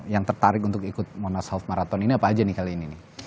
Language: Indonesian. yang tertarik untuk ikut monash health marathon ini apa aja kali ini